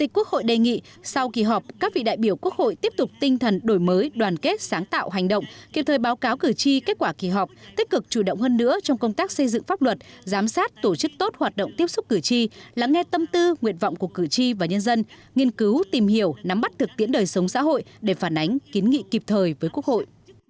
quốc hội đề nghị sau kỳ họp các vị đại biểu quốc hội tiếp tục tinh thần đổi mới đoàn kết sáng tạo hành động kịp thời báo cáo cử tri kết quả kỳ họp tích cực chủ động hơn nữa trong công tác xây dựng pháp luật giám sát tổ chức tốt hoạt động tiếp xúc cử tri lắng nghe tâm tư nguyện vọng của cử tri và nhân dân nghiên cứu tìm hiểu nắm bắt thực tiễn đời sống xã hội để phản ánh kiến nghị kịp thời với quốc hội